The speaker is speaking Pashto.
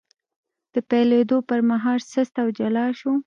د پیلېدو پر مهال سست او جلا شو،